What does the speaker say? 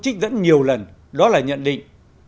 trích dẫn nhiều lần đó là nhận định